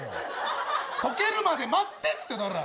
溶けるまで待ってってだから。